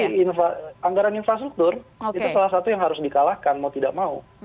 jadi anggaran infrastruktur itu salah satu yang harus dikalahkan mau tidak mau